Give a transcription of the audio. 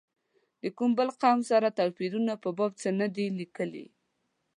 د کوم بل قوم سره توپیرونو په باب څه نه دي لیکلي.